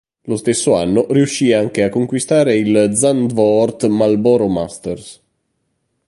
Lo stesso anno riuscì anche a conquistare il Zandvoort Marlboro Masters.